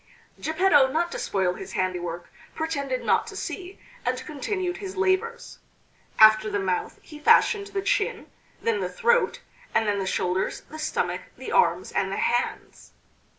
Geppetto, not to spoil his handiwork, pretended not to see, and continued his labors. After the mouth he fashioned the chin, then the throat, and then the shoulders, the stomach, the arms and the hands.